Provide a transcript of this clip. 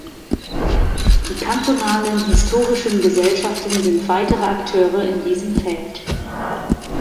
Die kantonalen Historischen Gesellschaften sind weitere Akteure in diesem Feld.